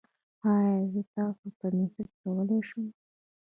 ایا زه تاسو ته میسج کولی شم؟